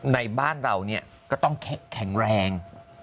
ในบ้านเราก็ต้องแข็งแรง